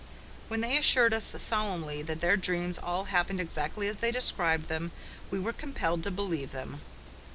When they assured us solemnly that their dreams all happened exactly as they described them we were compelled to believe them.